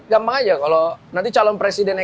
gampang aja kalau nanti calon presidennya